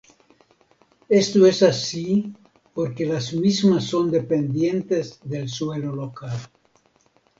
Esto es así porque las mismas son dependientes del suelo local.